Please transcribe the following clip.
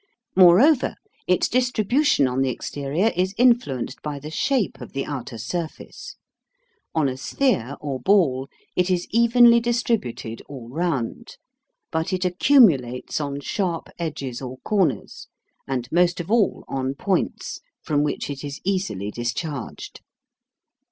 Moreover, its distribution on the exterior is influenced by the shape of the outer surface. On a sphere or ball it is evenly distributed all round, but it accumulates on sharp edges or corners, and most of all on points, from which it is easily discharged.